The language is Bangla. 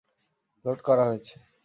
লোড করা হয়েছে।